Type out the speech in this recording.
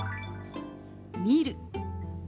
「見る」。